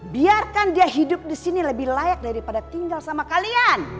biarkan dia hidup di sini lebih layak daripada tinggal sama kalian